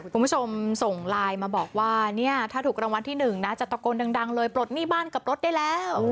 คุณผู้ชมส่งไลน์มาบอกว่าเนี่ยถ้าถูกรางวัลที่๑นะจะตะโกนดังเลยปลดหนี้บ้านกับรถได้แล้ว